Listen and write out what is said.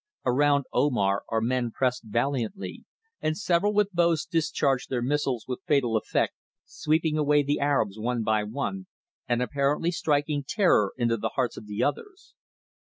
Around Omar our men pressed valiantly, and several with bows discharged their missiles with fatal effect, sweeping away the Arabs one by one and apparently striking terror into the hearts of the others.